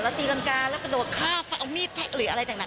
แล้วตีรังกาแล้วกระโดดฆ่าเอามีดแพะหรืออะไรต่าง